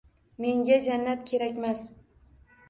Menga Jannat kerakmas